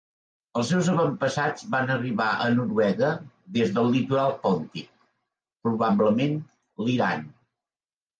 Els seus avantpassats van arribar a Noruega des del litoral Pontic, probablement l'Iran.